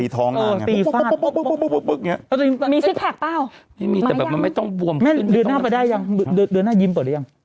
โดยนาดยิ้มใหม่หรือยัง